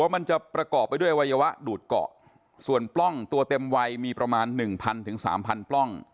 มันจะประกอบไปด้วยวัยวะดูดเกาะส่วนปล้องตัวเต็มวัยมีประมาณหนึ่งพันถึงสามพันปล้อง